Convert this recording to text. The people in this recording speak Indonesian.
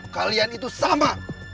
kalian itu sama